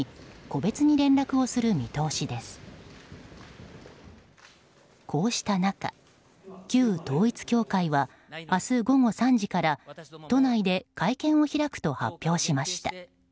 こうした中、旧統一教会は明日午後３時から都内で会見を開くと発表しました。